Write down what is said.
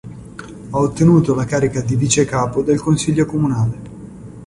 Ha ottenuto la carica di vice capo del consiglio comunale.